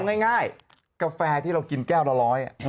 เอาง่ายกาแฟที่เรากินแก้วละร้อย